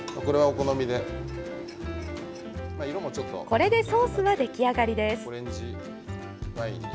これでソースは出来上がりです。